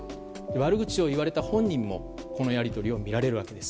悪口を言われた本人もこのやり取りを見られるわけです。